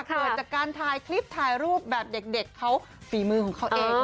เกิดจากการถ่ายคลิปถ่ายรูปแบบเด็กเขาฝีมือของเขาเอง